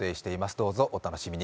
どうぞお楽しみに。